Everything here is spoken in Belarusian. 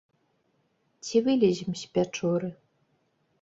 Ці вылезем з пячоры?